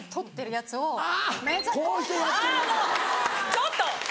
ちょっと！